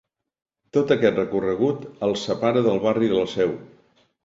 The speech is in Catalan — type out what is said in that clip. Tot aquest recorregut el separa del barri de la Seu.